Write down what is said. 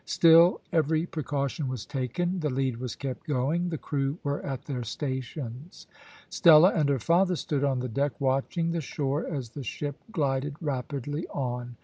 Still every precaution was taken; the lead was kept going, the crew were at their stations. Stella and her father stood on the deck watching the shore as the ship glided rapidly on.